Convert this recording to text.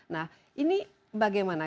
nah ini bagaimana